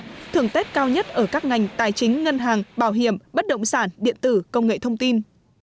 tết thường tết cao nhất ở các ngành tài chính ngân hàng bảo hiểm bất động sản điện tử công nghệ thông tin